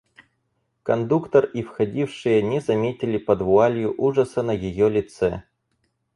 Кондуктор и входившие не заметили под вуалью ужаса на ее лице.